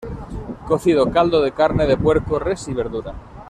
Cocido: caldo de carne de puerco, res y verdura.